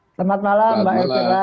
selamat malam mbak rika